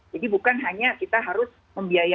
jadi bukan hanya kita harus membiayai antrian